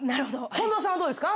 近藤さんはどうですか？